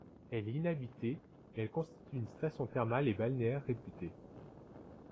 Elle est inhabitée mais elle constitue une station thermale et balnéaire réputée.